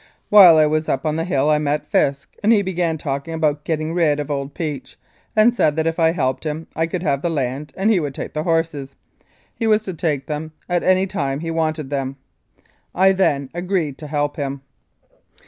While I was up on the hill I met Fisk, and he began talking about getting rid of old Peach, and said that if I helped I could have the land and he would take the horses. He was to take them at any time he wanted them. "I then agreed to help him.